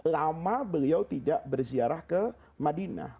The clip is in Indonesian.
lama beliau tidak berziarah ke madinah